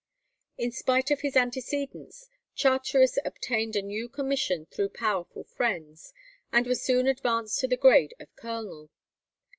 In spite of his antecedents, Charteris obtained a new commission through powerful friends, and was soon advanced to the grade of colonel.